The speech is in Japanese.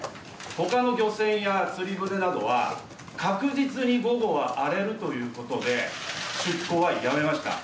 他の漁船や釣り船などは確実に午後は荒れるということで出航はやめました。